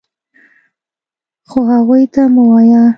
خو هغوی ته مه وایه .